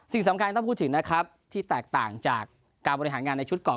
สิ่งสำคัญต้องพูดถึงนะครับที่แตกต่างจากการบริหารงานในชุดก่อน